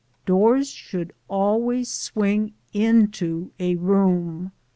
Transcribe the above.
] Doors should always swing into a room.